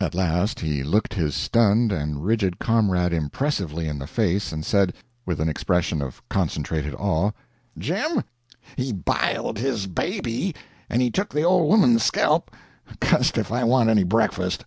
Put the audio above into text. At last he looked his stunned and rigid comrade impressively in the face, and said, with an expression of concentrated awe: "Jim, he b'iled his baby, and he took the old 'oman's skelp. Cuss'd if I want any breakfast!"